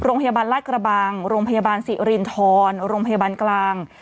โรงพยาบาลรัฐกระบางโรงพยาบาลศรีรินทรโรงพยาบาลกลาง